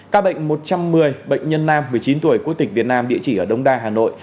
các bệnh một trăm một mươi bệnh nhân nam một mươi chín tuổi quốc tịch việt nam địa chỉ ở đông đa hà nội